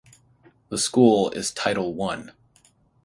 The school is Title One.